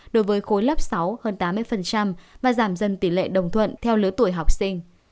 đối với khối lớp sáu hơn tám mươi và giảm dần tỷ lệ đồng thuận theo lứa tuổi học sinh